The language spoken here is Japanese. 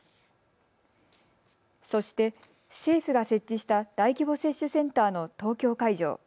そして政府が設置した大規模接種センターの東京会場。